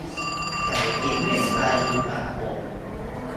ไก่จิกเด็กตายบนปากโอ่ง